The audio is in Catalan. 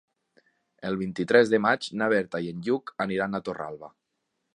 El vint-i-tres de maig na Berta i en Lluc aniran a Torralba.